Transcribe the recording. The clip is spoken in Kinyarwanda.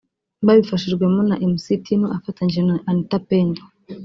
babifashijwemo na Mc Tino afatanyije na Anita Pendo